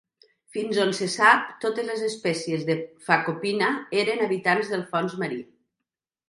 Fins on se sap, totes les espècies de Phacopina eren habitants del fons marí.